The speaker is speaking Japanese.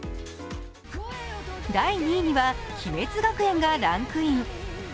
第２位には「キメツ学園！」がランクイン。